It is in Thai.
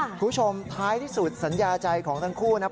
คุณผู้ชมท้ายที่สุดสัญญาใจของทั้งคู่นะครับ